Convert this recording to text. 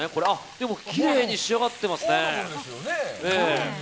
でも、きれいに仕上がってますね。